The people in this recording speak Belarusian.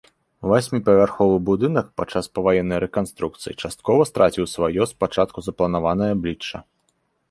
Васьміпавярховы будынак падчас паваеннай рэканструкцыі часткова страціў сваё спачатку запланаванае аблічча.